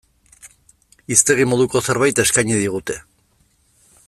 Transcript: Hiztegi moduko zerbait eskaini digute.